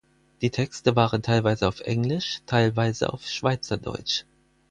Die Texte waren teilweise auf Englisch, teilweise auf Schweizerdeutsch.